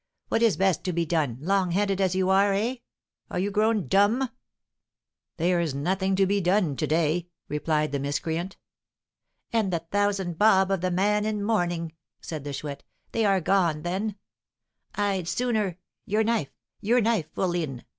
"What is best to be done, long headed as you are, eh? Are you grown dumb?" "There's nothing to be done to day," replied the miscreant. "And the thousand 'bob' of the man in mourning," said the Chouette; "they are gone, then? I'd sooner Your knife your knife, fourline!